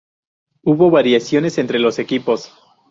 Hubo variaciones entre los equipos.